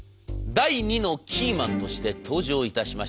第２のキーマンとして登場いたしました